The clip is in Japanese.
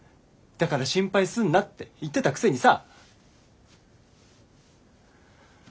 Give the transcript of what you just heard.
だから心配すんな」って言ってたくせにさ。